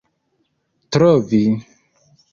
trovi